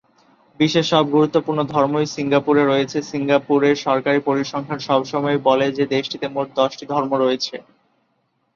বিশ্বের সব গুরুত্বপূর্ণ ধর্মই সিঙ্গাপুরে রয়েছে; সিঙ্গাপুরের সরকারী পরিসংখ্যান সব সময়ই বলে যে দেশটিতে মোট দশটি ধর্ম রয়েছে।